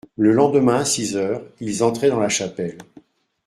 Le lendemain à six heures, ils entraient dans la chapelle.